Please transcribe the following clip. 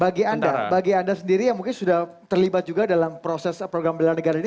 bagi anda bagi anda sendiri yang mungkin sudah terlibat juga dalam proses program bela negara ini